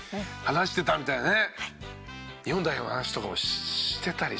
日本代表の話とかもしてたりして。